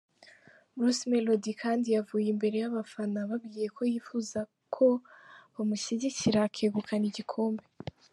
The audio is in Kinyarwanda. Bruce Melody kandi yavuye imbere y’abafana ababwiye ko yifuza ko bamushyigikira akegukana igikombe.